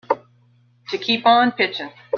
To keep on pitching.